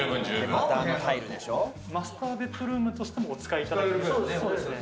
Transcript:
マスターベッドルームとしても、お使いいただける。